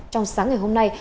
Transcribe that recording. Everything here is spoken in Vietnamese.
trong sáng ngày hôm nay